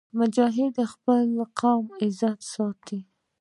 مجاهد د خپل قوم عزت ساتي.